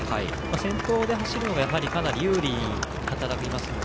先頭で走るのがかなり有利に働きますので。